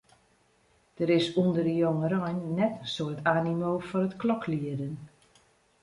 Der is ûnder de jongerein net in soad animo foar it kloklieden.